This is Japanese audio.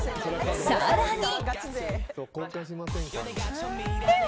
更に。